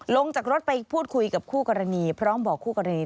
ลงจากรถไปพูดคุยกับคู่กรณีพร้อมบอกคู่กรณี